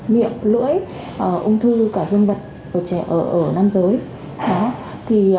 miệng lưỡi ung thư cả dân vật trẻ ở nam giới